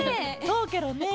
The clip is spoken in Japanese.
そうケロね。